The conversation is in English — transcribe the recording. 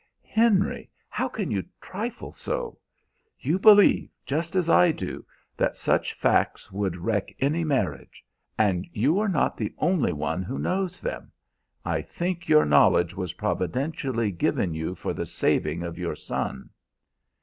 "Henry, how can you trifle so! You believe, just as I do, that such facts would wreck any marriage. And you are not the only one who knows them. I think your knowledge was providentially given you for the saving of your son."